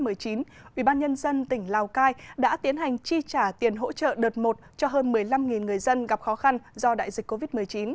ubnd tỉnh lào cai đã tiến hành trì trả tiền hỗ trợ đợt một cho hơn một mươi năm người dân gặp khó khăn do đại dịch covid một mươi chín